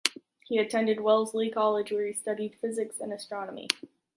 He attended Wellesley College, where he studied physics and astronomy.